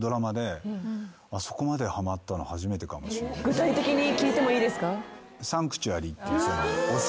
具体的に聞いてもいいですか？